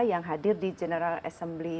yang hadir di general assembly